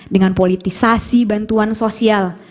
dengan politisasi bantuan sosial